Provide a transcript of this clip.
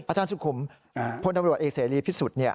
อาจารย์สุขุมพลตำรวจเอกเสรีพิสุทธิ์